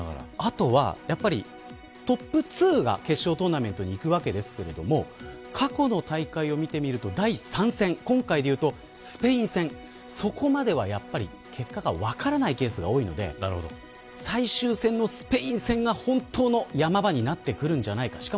あとはやっぱり、トップ２が決勝トーナメントにいくわけですけれども過去の大会を見てみると第３戦今回で言うとスペイン戦そこまではやっぱり結果が分からないケースが多いので最終戦のスペイン戦が本当のヤマ場になってくるんじゃないか。